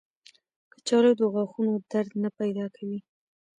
کچالو د غاښونو درد نه پیدا کوي